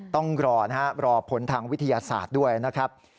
ต้องรอนะครับรอผลทางวิทยาศาสตร์ด้วยนะครับ